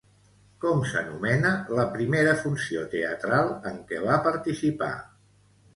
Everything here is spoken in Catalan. Com s'anomena la primera funció teatral en què va participar?